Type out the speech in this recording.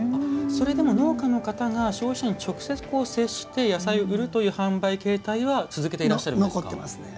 それでも農家の方が消費者に直接接して野菜を売るという販売形態は続けていらっしゃるんですね。